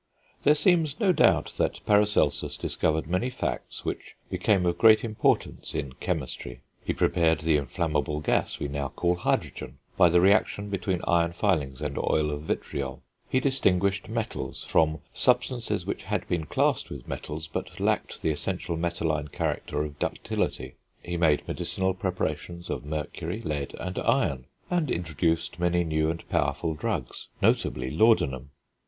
There seems no doubt that Paracelsus discovered many facts which became of great importance in chemistry: he prepared the inflammable gas we now call hydrogen, by the reaction between iron filings and oil of vitriol; he distinguished metals from substances which had been classed with metals but lacked the essential metalline character of ductility; he made medicinal preparations of mercury, lead and iron, and introduced many new and powerful drugs, notably laudanum.